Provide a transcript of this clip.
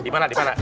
di mana di mana